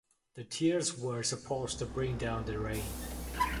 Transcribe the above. The tears were supposed to bring down the rain.